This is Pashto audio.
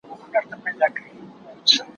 ما د سبا لپاره د هنرونو تمرين کړی دی..